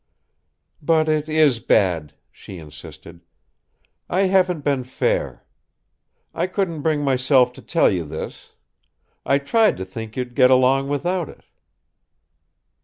"But it is bad!" she insisted. "I haven't been fair. I couldn't bring myself to tell you this. I tried to think you'd get along without it!"